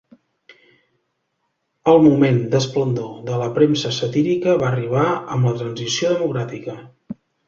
El moment d'esplendor de la premsa satírica va arribar amb la Transició democràtica.